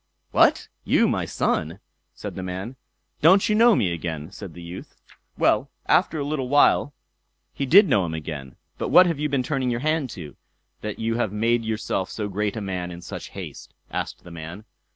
"What, you my son!" said the man. "Don't you know me again?" said the youth. Well, after a little while he did know him again. "But what have you been turning your hand to, that you have made yourself so great a man in such haste?" asked the man.